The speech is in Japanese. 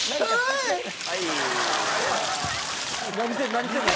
「何してんの？